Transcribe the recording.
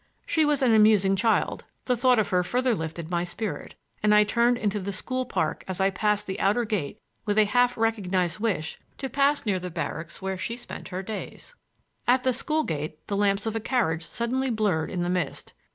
She was an amusing child; the thought of her further lifted my spirit; and I turned into the school park as I passed the outer gate with a half recognized wish to pass near the barracks where she spent her days. At the school gate the lamps of a carriage suddenly blurred in the mist.